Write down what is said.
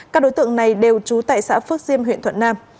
các đối tượng này đều trú tại xã phước diêm huyện thuận nam